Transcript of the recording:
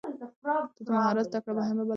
ده د مهارت زده کړه مهمه بلله.